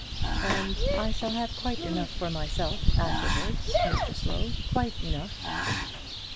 "And I shall have quite enough for myself afterwards, Mr Slow, quite enough."